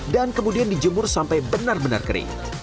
dan kemudian dijemur sampai benar benar kering